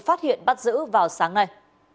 phát hiện bắt giữ vào sáng nay